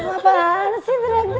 apaan sih ternyata